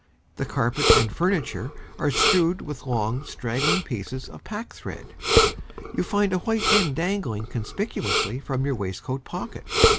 The carpet and furniture are strewed with long, straggling pieces of packthread. You find a white end dangling conspicuously from your waistcoat pocket.